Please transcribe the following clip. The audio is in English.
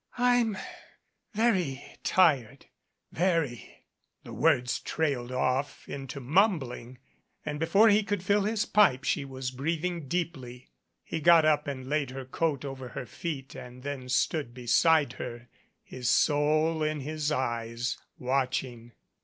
I'm very tired very " The words trailed off into mum bling, and before he could fill his pipe she was breathing deeply. He got up and laid her coat over her feet and then stood beside her, his soul in his eyes, watching.